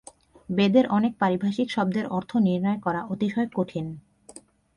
বেদের অনেক পারিভাষিক শব্দের অর্থ নির্ণয় করা অতিশয় কঠিন।